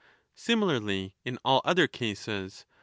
Similarly in all other cases.